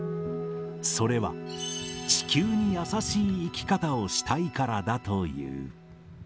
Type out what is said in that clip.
それは、地球に優しい生き方をしたいからだという。